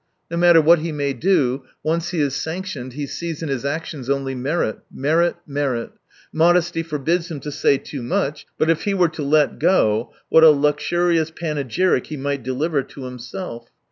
No matter what he may do, once he is sanctioned he sees in his actions only merit, merit, merit. Modesty forbids him to say too much — but if he were to let go, what a luxurious panegyric he might deliver to himself